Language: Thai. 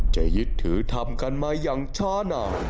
ยึดถือทำกันมาอย่างช้านาน